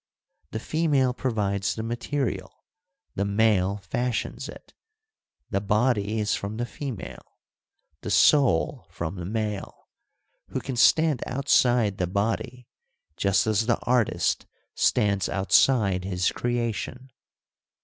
The female provides the material, the male fashions it ; the body is from the female, the soul from the male, who can stand outside the body just as the artist stands outside his creation.